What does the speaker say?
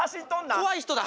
怖い人だ。